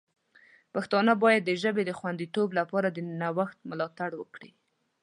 پښتانه باید د ژبې د خوندیتوب لپاره د نوښت ملاتړ وکړي.